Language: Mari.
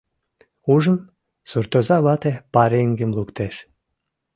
Ужым: суртоза вате пареҥгым луктеш.